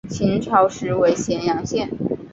秦朝时为咸阳县。